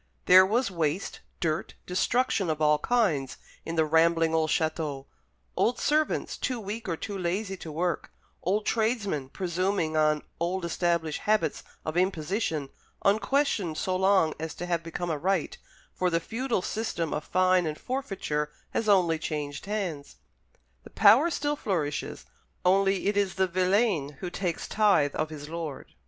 There was waste, dirt, destruction of all kinds, in the rambling old château; old servants, too weak or too lazy to work; old tradesmen, presuming on old established habits of imposition, unquestioned so long as to have become a right for the feudal system of fine and forfeiture has only changed hands. The power still flourishes, only it is the villein who takes tithe of his lord.